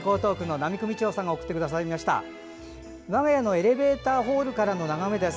我が家のエレベーターホールからの眺めです。